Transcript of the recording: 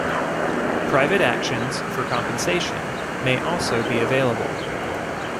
Private actions for compensation may also be available.